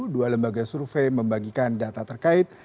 dua lembaga survei membagikan data terkait